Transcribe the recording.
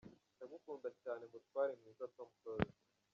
Ndagukunda cyane Mutware mwiza Tom Close.